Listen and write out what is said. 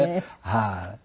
はい。